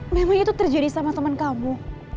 memang itu terjadi sama temen kamu